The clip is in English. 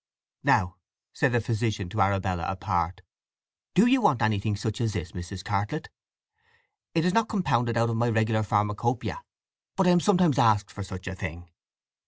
"Now," said the physician to Arabella, apart; "do you want anything such as this, Mrs. Cartlett? It is not compounded out of my regular pharmacopœia, but I am sometimes asked for such a thing."